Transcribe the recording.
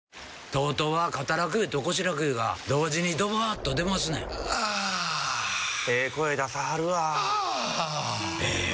ＴＯＴＯは肩楽湯と腰楽湯が同時にドバーッと出ますねんあええ声出さはるわあええ